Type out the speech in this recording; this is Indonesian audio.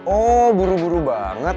oh buru buru banget